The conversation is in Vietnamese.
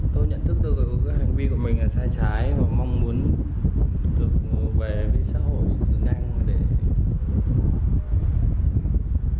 tôi nhận thức được hành vi của mình là sai trái và mong muốn được về với xã hội dưới nhanh để làm những việc